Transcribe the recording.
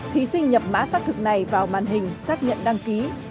thí sinh nhập mã xác thực này vào màn hình xác nhận đăng ký